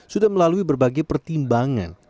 sudah melalui berbagai pertimbangan